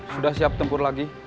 sudah siap tempur lagi